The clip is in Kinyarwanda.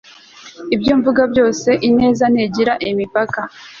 ibyo mvuga byose, ineza ntigira imipaka